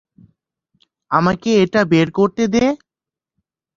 আমাকে এটা বের করতে দে!